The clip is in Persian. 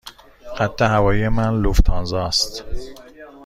خط هوایی من لوفتانزا است.